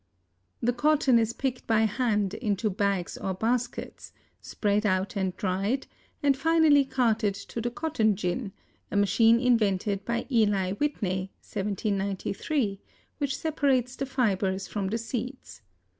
The cotton is picked by hand into bags or baskets, spread out and dried, and finally carted to the cotton gin, a machine invented by Eli Whitney (1793), which separates the fibers from the seeds.